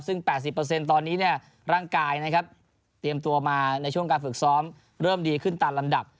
ซึ่ง๘๐ตอนนี้ร่างกายนะครับเตรียมตัวมาในช่วงการฝึกซ้อมเริ่มดีขึ้นตามลำดับ